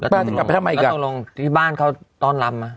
ปากจะกลับทำไมอีกก่อนแล้วตรงที่บ้านเขาต้อนรำอะ